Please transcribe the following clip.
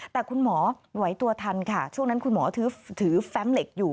แต่คุณหมอไหวตัวทันค่ะช่วงนั้นคุณหมอถือแฟมเหล็กอยู่